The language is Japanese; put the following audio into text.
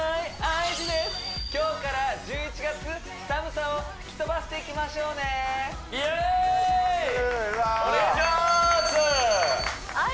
ＩＧです今日から１１月寒さを吹き飛ばしていきましょうねイエーイ！